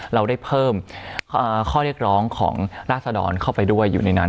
เราได้เพิ่มข้อเรียกร้องของราศดรเข้าไปด้วยอยู่ในนั้น